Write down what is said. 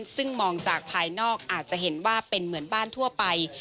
ซึ่งมองจากภายนอกอาจจะเห็นว่าเป็นเหมือนบ้านทั่วไป